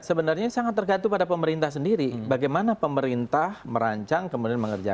sebenarnya sangat tergantung pada pemerintah sendiri